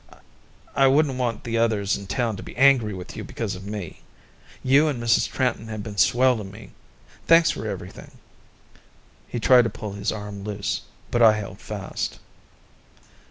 I wouldn't want the others in town to be angry with you because of me. You and Mrs. Tranton have been swell to me. Thanks for everything." He tried to pull his arm loose, but I held fast.